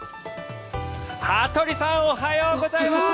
羽鳥さんおはようございます！